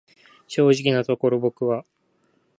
正直のところ僕は、